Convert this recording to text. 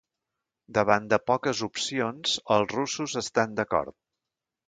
Davant de poques opcions, els russos estan d'acord.